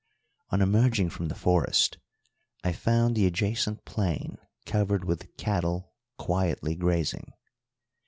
On emerging from the forest I found the adjacent plain covered with cattle quietly grazing.